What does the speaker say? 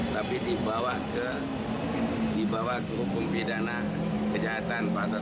tapi dibawa ke hukum pidana kejahatan pasal satu ratus enam puluh